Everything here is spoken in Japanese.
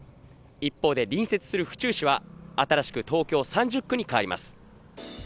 一方で、隣接する府中市は新しく東京３０区に変わります。